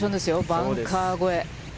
バンカー越え。